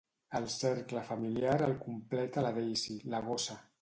El cercle familiar el completa la Daisy, la gossa.